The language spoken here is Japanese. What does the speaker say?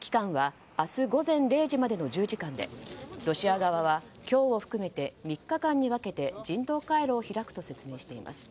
期間は明日午前０時までの１０時間でロシア側は今日を含めて３日間に分けて人道回廊を開くと説明しています。